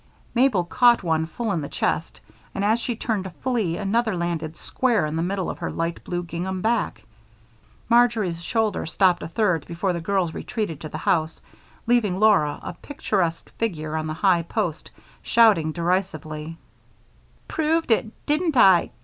Mabel caught one full in the chest, and as she turned to flee, another landed square in the middle of her light blue gingham back; Marjory's shoulder stopped a third before the girls retreated to the house, leaving Laura, a picturesque figure on the high post, shouting derisively: "Proved it, didn't I?